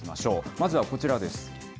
まずはこちらです。